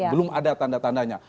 belum ada tanda tandanya